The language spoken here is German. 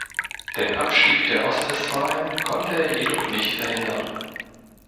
Den Abstieg der Ostwestfalen konnte er jedoch nicht verhindern.